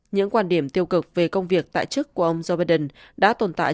những quan điểm tiêu cực về công việc tại chức của ông joe biden đã tồn tại